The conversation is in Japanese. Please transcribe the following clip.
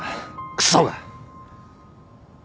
クソが！